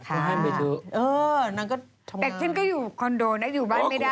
เขาให้ไปซื้อเออนางก็ทำงานแต่ฉันก็อยู่คอนโดนะอยู่บ้านไม่ได้